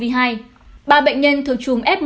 ba bệnh nhân thuộc chùm f một